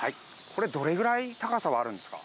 これ、どれぐらい高さはあるんですか。